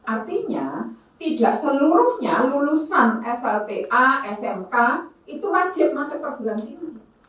artinya tidak seluruhnya lulusan slta smk itu wajib masuk perguruan tinggi